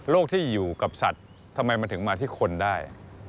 ที่อยู่กับสัตว์ทำไมมันถึงมาที่คนได้